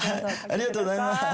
ありがとうございます。